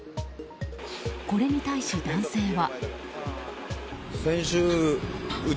これに対し、男性は。